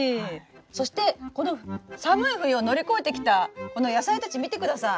そしてこの寒い冬を乗り越えてきたこの野菜たち見てください！